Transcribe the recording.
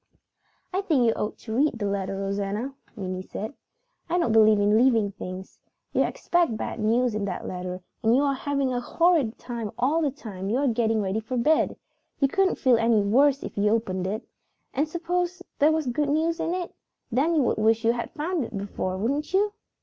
"I think you ought to read your letter, Rosanna," Minnie said. "I don't believe in leaving things. You expect bad news in that letter and you are having a horrid time all the time you are getting ready for bed. You couldn't feel any worse if you opened it. And suppose there was good news in it? Then you would wish you had found it out before, wouldn't you?"